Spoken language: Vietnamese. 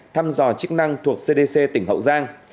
thăm dò chức năng thuộc cdc tỉnh hậu giang